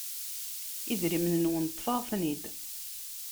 idrimen-nwen, ṭṭfeɣ-ten-id.